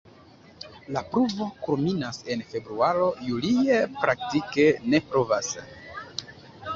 La pluvo kulminas en februaro, julie praktike ne pluvas.